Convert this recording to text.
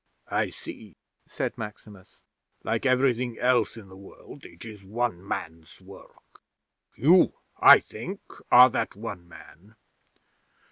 '"I see," said Maximus. "Like everything else in the world, it is one man's work. You, I think, are that one man."